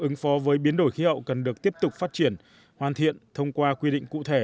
ứng phó với biến đổi khí hậu cần được tiếp tục phát triển hoàn thiện thông qua quy định cụ thể